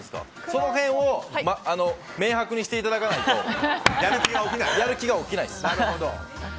その辺を明白にしていただかないとやる気が起きないです。